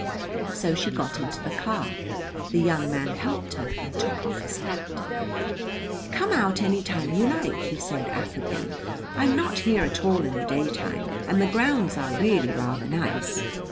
So she got into the car. The young man helped her and took off his hat. "Come out any time you like," he said affably. "I'm not here at all in the daytime, and the grounds are really rather nice.